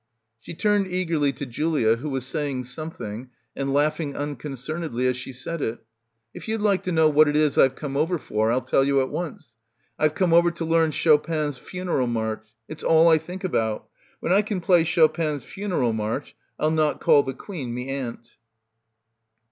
She turned eagerly to Julia who was saying something and laughing unconcernedly as she said it. "If you'd like to know what it is Fve come over for I'll tell you at once. Fve come over to learn Chopang's Funeral March. It's all I think about. When I can play Chopang's Fu neral March I'll not call the Queen me aunt."